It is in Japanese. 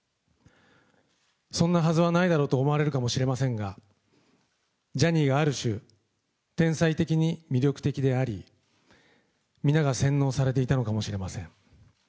そんなはずはないだろうと思われるかもしれませんが、ジャニーはある種、天才的に魅力的であり、皆が洗脳されていたのかもしれません。